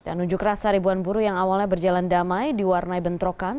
dan nunjuk rasa ribuan buruh yang awalnya berjalan damai diwarnai bentrokan